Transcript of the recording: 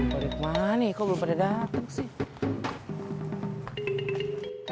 kok belum pada dateng sih